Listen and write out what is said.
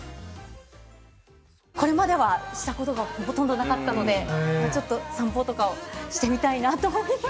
これまではしたことがほとんどなかったので、ちょっと散歩とかをしてみたいなと思います。